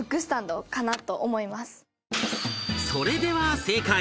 それでは正解